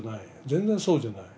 全然そうじゃない。